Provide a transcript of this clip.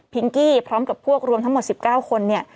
พิงกี้พร้อมกับพวกรวมทั้งหมด๑๙คน